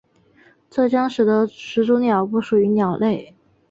这将使得始祖鸟不属于鸟类。